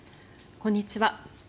こんにちは。